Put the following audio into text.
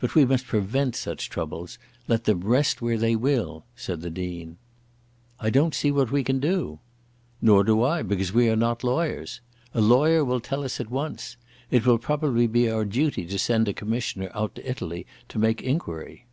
"But we must prevent such troubles, let them rest where they will," said the Dean. "I don't see what we can do." "Nor do I, because we are not lawyers. A lawyer will tell us at once. It will probably be our duty to send a commissioner out to Italy to make enquiry."